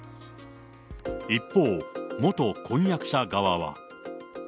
一方、元婚約者側は。